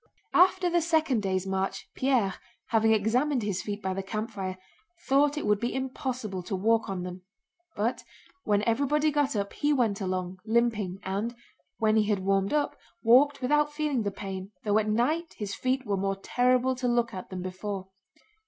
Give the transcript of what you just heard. After the second day's march Pierre, having examined his feet by the campfire, thought it would be impossible to walk on them; but when everybody got up he went along, limping, and, when he had warmed up, walked without feeling the pain, though at night his feet were more terrible to look at than before.